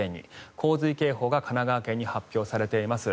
洪水警報が神奈川県に発表されています。